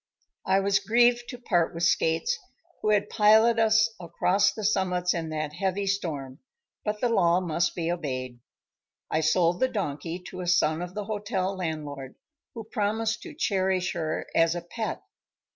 _"] I was grieved to part with Skates, who had piloted us across the summits in that heavy storm, but the law must be obeyed. I sold the donkey to a son of the hotel landlord, who promised to cherish her as a pet.